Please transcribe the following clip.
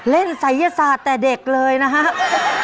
ศัยยศาสตร์แต่เด็กเลยนะครับ